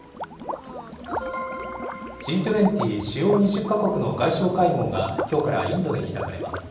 Ｇ２０・主要２０か国の外相会合が、きょうからインドで開かれます。